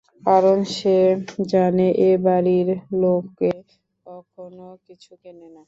কারণ সে জানে এ বাড়ির লোকে কখনও কিছু কেনে না।